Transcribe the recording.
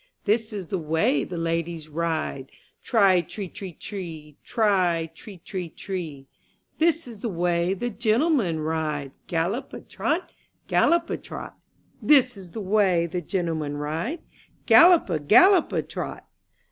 This is the way the ladies ride, Tri tre tre tre, tri tre tre tree I This is the way the gentlemen ride, Gallop a trot, Gallop a trot I This is the way the gentlemen ride, Gallop a gallop a trot